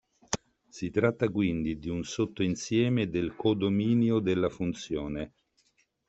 Si tratta quindi di un sottoinsieme del codominio della funzione.